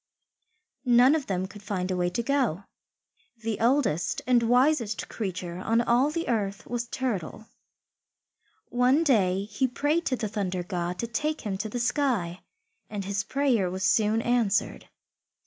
None of them could find a way to go. The oldest and wisest creature on all the earth was Turtle. One day he prayed to the Thunder God to take him to the sky, and his prayer was soon answered.